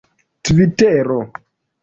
tvitero